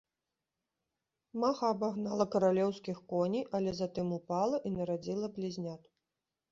Маха абагнала каралеўскіх коней, але затым ўпала і нарадзіла блізнят.